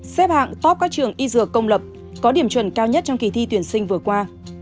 xếp hạng top các trường y dược công lập có điểm chuẩn cao nhất trong kỳ thi tuyển sinh vừa qua